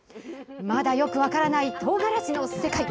まだよく分からないトウガラシの世界。